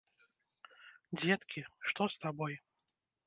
Дзеткі, што з табой?